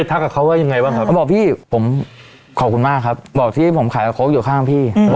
บอกพี่ผมขอบคุณมากครับบอกที่ผมขายโค้กอยู่ข้างพี่